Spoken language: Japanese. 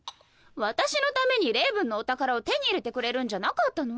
私のためにレイブンのお宝を手に入れてくれるんじゃなかったの？